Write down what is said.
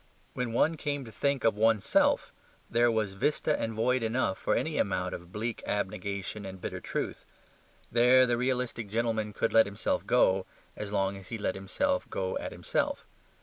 When one came to think of ONE'S SELF, there was vista and void enough for any amount of bleak abnegation and bitter truth. There the realistic gentleman could let himself go as long as he let himself go at himself.